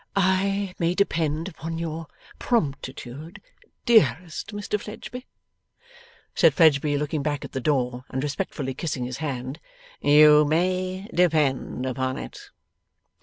'I may depend upon your promptitude, dearest Mr Fledgeby?' Said Fledgeby, looking back at the door and respectfully kissing his hand, 'You may depend upon it.